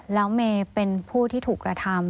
แล้วเมย์เป็นผู้ที่ถูกกระทำ